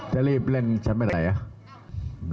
จะรีบเล่นฉันไปไหนอ่ะ